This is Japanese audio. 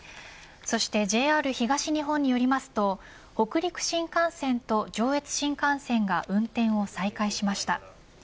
そしてＪＲ東日本によりますと北陸新幹線と上越新幹線が運転を再開しました。